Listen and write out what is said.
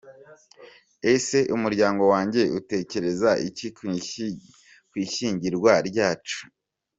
Ese umuryango wanjye utekereza iki ku ishyingiranwa ryacu?.